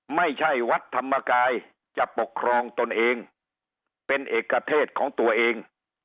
ไม่ใช่วัดธรรมกายจะปกครองตนเองเป็นเอกเทศของตัวเอง